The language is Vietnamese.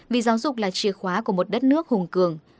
vì giáo dục là chìa khóa của một đất nước hùng cường